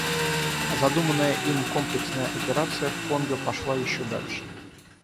А задуманная им комплексная операция в Конго пошла еще дальше.